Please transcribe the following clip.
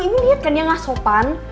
ibu liat kan yang gak sopan